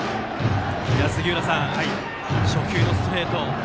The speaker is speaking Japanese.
杉浦さん、初球のストレートを。